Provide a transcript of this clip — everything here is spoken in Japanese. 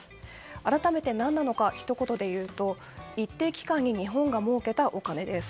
改めて、ひと言で言うと一定期間に日本がもうけたお金です。